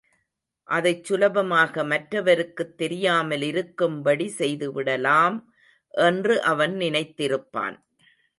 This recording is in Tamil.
அதைச் சுலபமாக மற்றவருக்குத் தெரியாமலிருக்கும்படி செய்துவிடலாம் என்று அவன் நினைத்திருப்பான்.